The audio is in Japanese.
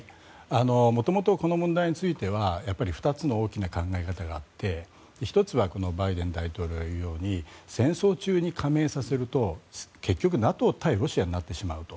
元々、この問題については２つの大きな考え方があって１つはバイデン大統領が言うように戦争中に加盟させると結局ＮＡＴＯ対ロシアになってしまうと。